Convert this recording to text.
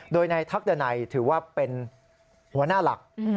โดยในทักษะไหนถือว่าเป็นหัวหน้าหลัก